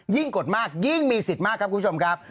กดมากยิ่งมีสิทธิ์มากครับคุณผู้ชมครับ